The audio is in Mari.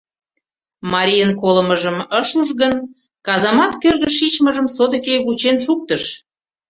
Марийын колымыжым ыш уж гын, казамат кӧргыш шичмыжым содыки вучен шуктыш...